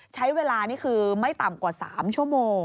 ใช้เวลานี่คือไม่ต่ำกว่า๓ชั่วโมง